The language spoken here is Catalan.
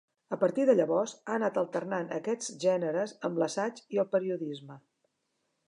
A partir de llavors, ha anat alternant aquests gèneres amb l'assaig i el periodisme.